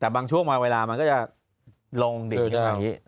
แต่บางช่วงบางเวลามันก็จะลงดิวอย่างนี้